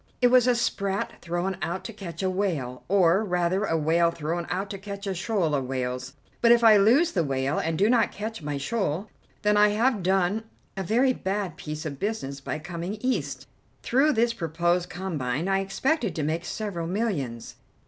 It was a sprat thrown out to catch a whale, or, rather, a whale thrown out to catch a shoal of whales. But if I lose the whale and do not catch my shoal, then I have done a very bad piece of business by coming East. Through this proposed combine I expected to make several millions.